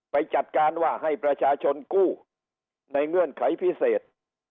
ไปจัดการว่าให้ประชาชนกู้ในเงื่อนไขพิเศษ